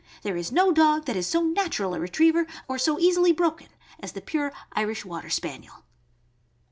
There is no dog that is so natural a retriever or so easily broken as the pure Irish Water Spaniel.